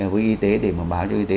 với y tế để mà báo cho y tế